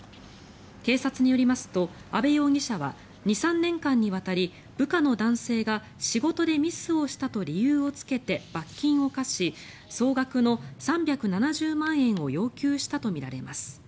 警察によりますと阿部容疑者は２３年間にわたり部下の男性が仕事でミスをしたと理由をつけて罰金を科し、総額の３７０万円を要求したとみられます。